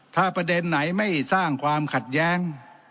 ถ้าประเด็นไหนไม่สร้างความขัดแย้ง